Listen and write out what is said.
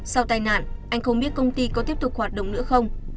sau tai nạn anh không biết công ty có tiếp tục hoạt động nữa không